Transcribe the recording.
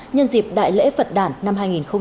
nhân dịp đại lễ phật đảng năm hai nghìn hai mươi